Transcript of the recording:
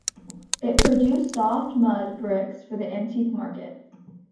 It produced soft-mud bricks for the antique market.